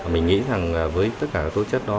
mình nghĩ rằng với tất cả tố chất đó